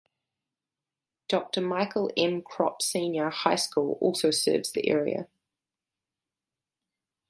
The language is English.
Doctor Michael M. Krop Senior High School also serves the area.